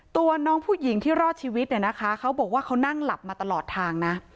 ตัวน้องผู้หญิงที่รอดชีวิตเนี่ยนะคะเขาบอกว่าเขานั่งหลับมาตลอดทางนะ